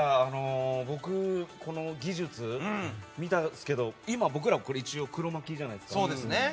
僕、この技術見たんですけど今、僕らは一応クロマキーじゃないですか。